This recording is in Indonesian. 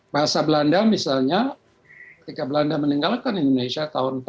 bahasa belanda misalnya ketika belanda meninggalkan indonesia tahun seribu sembilan ratus empat puluh